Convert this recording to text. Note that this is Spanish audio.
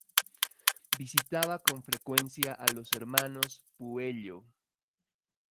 Visitaba con frecuencia a los hermanos Puello.